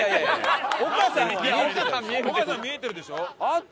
丘さん見えてるでしょ。